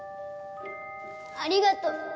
ありがとう